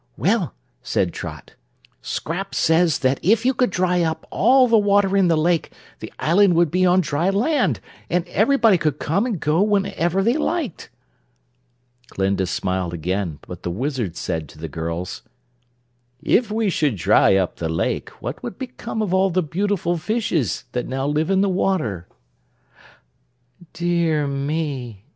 "Well," said Trot, "Scraps says that if you could dry up all the water in the lake the island would be on dry land, an' everyone could come and go whenever they liked." Glinda smiled again, but the Wizard said to the girls: "If we should dry up the lake, what would become of all the beautiful fishes that now live in the water?" "Dear me!